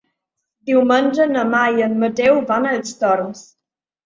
Diumenge na Mar i en Mateu van als Torms.